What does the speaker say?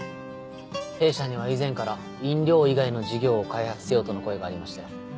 弊社には以前から飲料以外の事業を開発せよとの声がありまして。